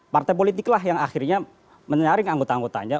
partai politik lah yang akhirnya menyaring anggota anggotanya